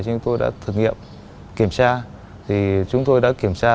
chúng tôi đã thử nghiệm kiểm tra